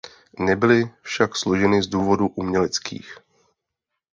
Nebyly však složeny z důvodů uměleckých.